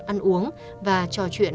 ăn uống và trò chuyện